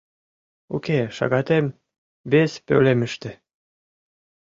— Уке, шагатем — вес пӧлемыште.